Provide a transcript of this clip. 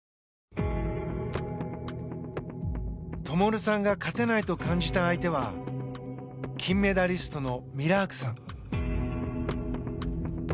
灯さんが勝てないと感じた相手は金メダリストのミラークさん。